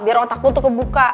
biar otak lo tuh kebuka